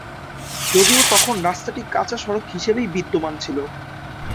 যদিও তখন রাস্তাটি কাঁচা সড়ক হিসেবেই বিদ্যমান ছিল।